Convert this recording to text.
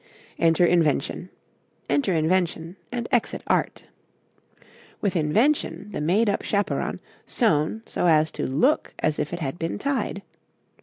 Enter invention enter invention and exit art. With invention, the made up chaperon sewn so as to look as if it had been tied.